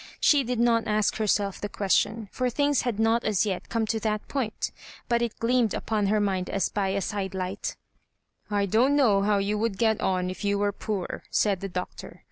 She did not ask herself the question, for things had not as yet come to that point, but it gleamed upon her mind as by a side light " I don't know how you would get on if you were poor," said the Doctor.